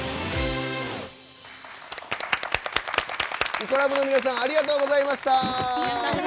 イコラブの皆さんありがとうございました。